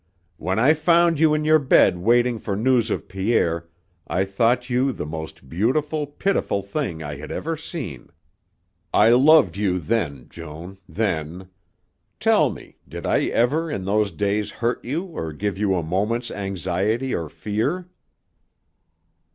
"When I found you in your bed waiting for news of Pierre, I thought you the most beautiful, pitiful thing I had ever seen. I loved you then, Joan, then. Tell me, did I ever in those days hurt you or give you a moment's anxiety or fear?"